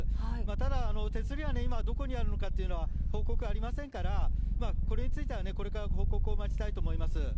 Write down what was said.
ただ、手すりが今どこにあるのかというのは報告がありませんからこれについてはこれから報告を待ちたいと思います。